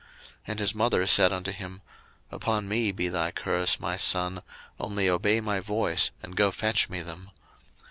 01:027:013 And his mother said unto him, Upon me be thy curse, my son: only obey my voice, and go fetch me them.